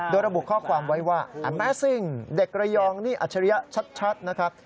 โดยระบุข้อความไว้ว่าแมสซิ่งเด็กระยองนี่อัจฉริยะชัดนะครับ